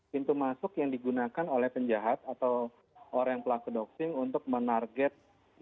pintu masuk yang digunakan oleh penjahat atau orang pelaku doxing untuk menarget